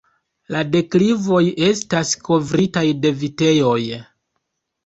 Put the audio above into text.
La deklivoj estas kovritaj de vitejoj.